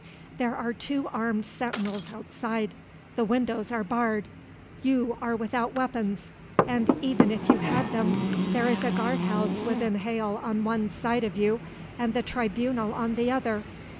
"There are two armed sentinels outside the windows are barred you are without weapons and even if you had them, there is a guard house within hail on one side of you, and the tribunal on the other.